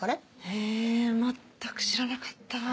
へぇ全く知らなかった。